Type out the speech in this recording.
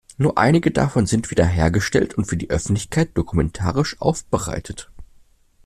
Nur einige davon sind wiederhergestellt und für die Öffentlichkeit dokumentarisch aufbereitet.